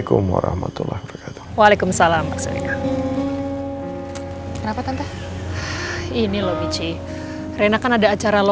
udah habis sekali